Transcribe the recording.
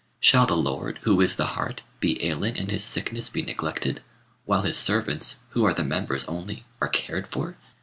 Shall the lord, who is the heart, be ailing and his sickness be neglected, while his servants, who are the members only, are cared for?